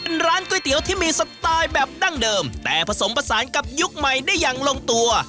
เป็นร้านก๋วยเตี๋ยวที่มีสไตล์แบบดั้งเดิมแต่ผสมผสานกับยุคใหม่ได้อย่างลงตัว